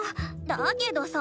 だけどさ。